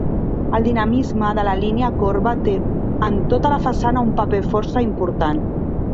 El dinamisme de la línia corba té en tota la façana un paper força important.